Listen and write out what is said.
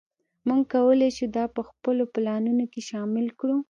موږ کولی شو دا په خپلو پلانونو کې شامل کړو